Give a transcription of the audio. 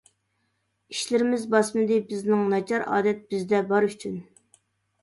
ئىشلىرىمىز باسمىدى بىزنىڭ، ناچار ئادەت بىزدە بار ئۈچۈن.